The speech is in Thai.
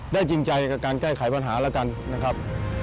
จริงใจกับการแก้ไขปัญหาแล้วกันนะครับ